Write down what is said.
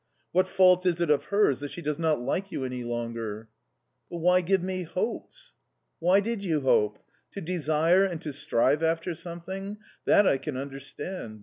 What fault is it of hers that she does not like you any longer?"... "But why give me hopes?" "Why did you hope? To desire and to strive after something that I can understand!